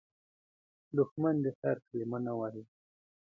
دښمن د خیر کلمه نه وايي